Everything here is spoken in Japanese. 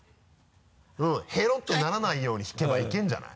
ヘロッとならないように引けばいけるんじゃない？